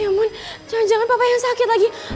ya mohon jangan jangan papa yang sakit lagi